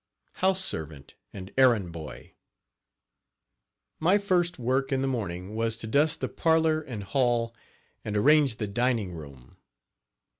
HOUSE SERVANT AND ERRAND BOY. My first work in the morning was to dust the parlor and hall and arrange the dining room.